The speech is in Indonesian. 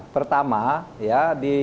pertama ya di